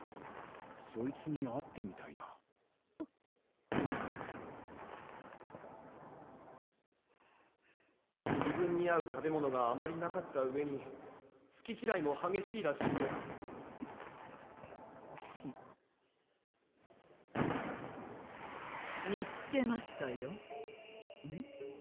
そいつに会ってみたいな自分に合う食べ物があまりなかったうえにすききらいもはげしいらしいの見つけましたようん？